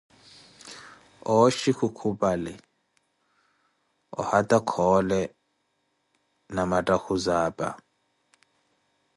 Ooxhi khukhupali ohata Khoole na mattakhuzi apa.